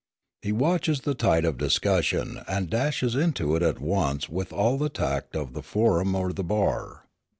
He watches the tide of discussion, and dashes into it at once with all the tact of the forum or the bar.